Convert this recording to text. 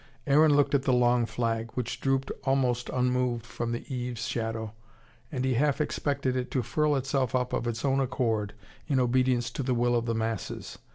Aaron looked at the long flag, which drooped almost unmoved from the eaves shadow, and he half expected it to furl itself up of its own accord, in obedience to the will of the masses.